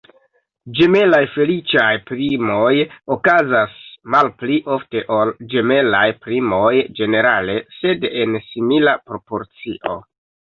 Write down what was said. Ĝemelaj feliĉaj primoj okazas malpli ofte ol ĝemelaj primoj ĝenerale, sed en simila proporcio.